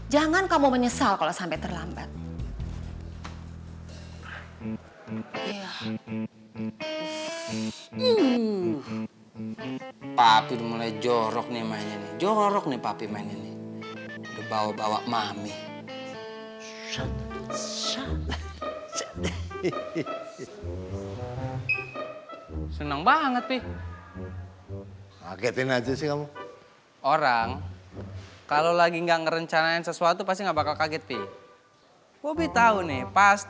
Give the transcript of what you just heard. jangan kamu menyesal kalo sampe terlambat